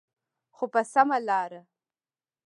خو په سمه لاره.